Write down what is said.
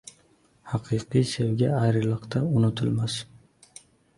• Haqiqiy sevgi ayriliqda unutilmas.